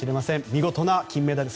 見事な金メダル。